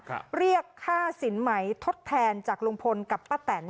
เรียกค่าสินไหมทดแทนจากลุงพลกับป้าแตน